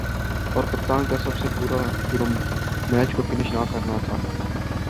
اور کپتان کا سب سے برا جرم" میچ کو فنش نہ کرنا ہے